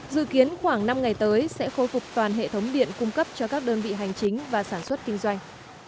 dự kiến khoảng năm ngày tới sẽ khôi phục toàn hệ thống điện cung cấp cho các đơn vị hành chính và sản xuất kinh doanh